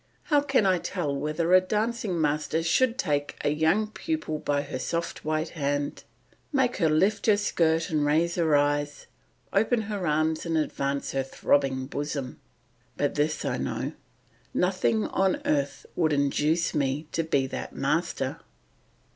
How can I tell whether a dancing master should take a young pupil by her soft white hand, make her lift her skirt and raise her eyes, open her arms and advance her throbbing bosom? but this I know, nothing on earth would induce me to be that master.